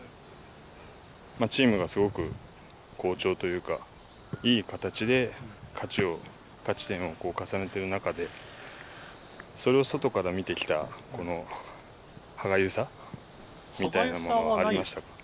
チームがすごく好調というかいい形で勝ち点を重ねてる中でそれを外から見てきたこの歯がゆさみたいなものはありましたか？